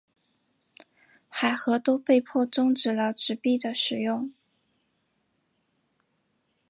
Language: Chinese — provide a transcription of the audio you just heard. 海合都被迫中止了纸币的使用。